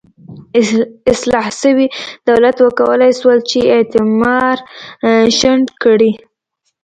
اصلاح شوي دولت وکولای شول چې استعمار شنډ کړي.